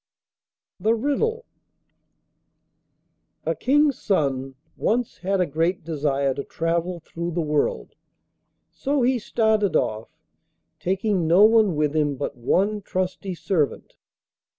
THE RIDDLE A King's son once had a great desire to travel through the world, so he started off, taking no one with him but one trusty servant.